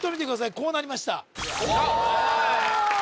こうなりました・おおー！